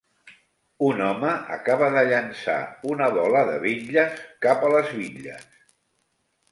Un home acaba de llançar una bola de bitlles cap a les bitlles.